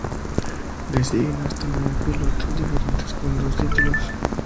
Le siguen hasta nueve pilotos diferentes con dos títulos.